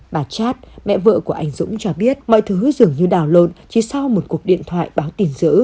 bà chát mẹ vợ của anh dũng cho biết mọi thứ dường như đào lộn chỉ sau một cuộc điện thoại báo tin dữ